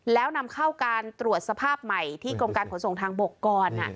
แล้วนำเข้าการตรวจสภาพใหม่ที่กรมการขนส่งทางบกก่อน